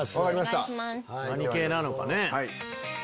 何系なのかね。